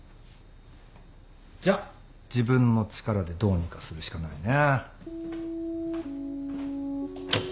じゃあ自分の力でどうにかするしかないね。